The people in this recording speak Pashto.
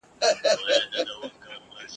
مرګی ظالم دی ژوند بې باوره !.